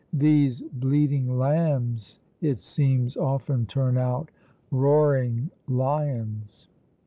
These bleating lambs, it seems, often turn out roaring lions!